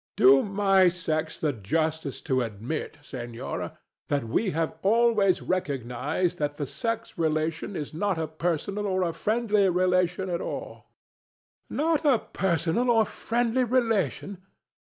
Do my sex the justice to admit, Senora, that we have always recognized that the sex relation is not a personal or friendly relation at all. ANA. Not a personal or friendly relation!